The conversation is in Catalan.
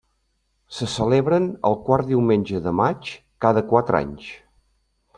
Se celebren el quart diumenge de maig cada quatre anys.